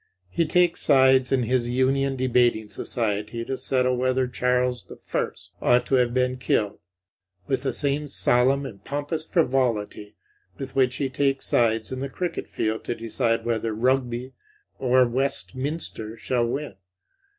He takes sides in his Union debating society to settle whether Charles I ought to have been killed, with the same solemn and pompous frivolity with which he takes sides in the cricket field to decide whether Rugby or Westminster shall win.